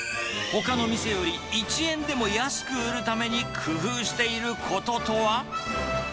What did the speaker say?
ほかの店より１円でも安く売るために工夫していることとは。